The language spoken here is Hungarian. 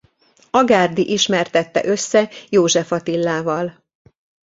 Agárdi ismertette össze József Attilával.